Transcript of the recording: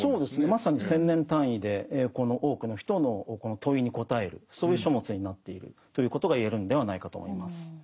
まさに１，０００年単位でこの多くの人の問いに答えるそういう書物になっているということが言えるんではないかと思います。